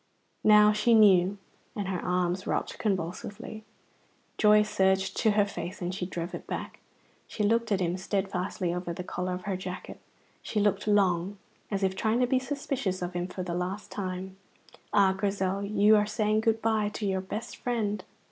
Now she knew, and her arms rocked convulsively. Joy surged to her face, and she drove it back. She looked at him steadfastly over the collar of her jacket; she looked long, as if trying to be suspicious of him for the last time. Ah, Grizel, you are saying good bye to your best friend!